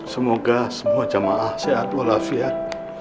semoga semua jamaah sehat walafiat